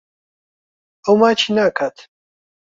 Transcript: ئەو ماچی ناکات.